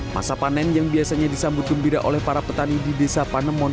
masa panen yang biasanya disambut gembira oleh para petani di desa panemon